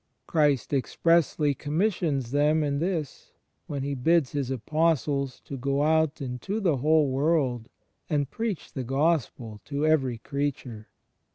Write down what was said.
Christ expressly commissions them in this, when He bids His Apostles to go out "into the whole world and preach the gospel to every creature."